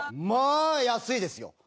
まあ安いですよ。